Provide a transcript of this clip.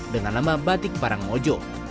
dengan nama batik parang mojo